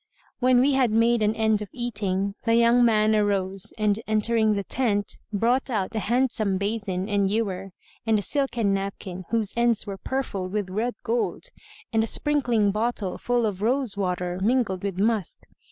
When we had made an end of eating, the young man arose and entering the tent, brought out a handsome basin and ewer and a silken napkin, whose ends were purfled with red gold and a sprinkling bottle full of rose water mingled with musk.